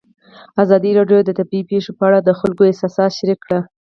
ازادي راډیو د طبیعي پېښې په اړه د خلکو احساسات شریک کړي.